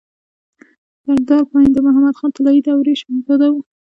سردار پاينده محمد خان طلايي دورې شهزاده وو